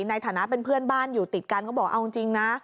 ในฐานะเป็นเพื่อนบ้านอยู่ติดกันก็บอกเอาจริงนะ